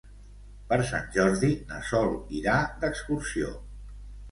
Per Sant Jordi na Sol irà d'excursió.